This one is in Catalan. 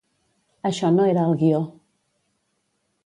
Això no era al guió.